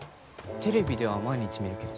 テレビでは毎日見るけど。